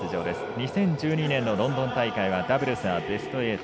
２０１２年のロンドン大会はダブルスでベスト８。